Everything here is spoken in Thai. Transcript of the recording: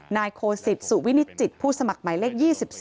นายโคศิษฐ์สุวินิจิตรผู้สมัครใหม่เลข๒๔